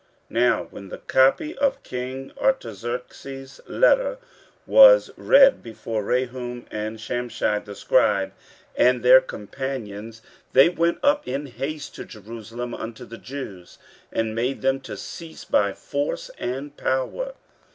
15:004:023 Now when the copy of king Artaxerxes' letter was read before Rehum, and Shimshai the scribe, and their companions, they went up in haste to Jerusalem unto the Jews, and made them to cease by force and power.